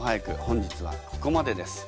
本日はここまでです。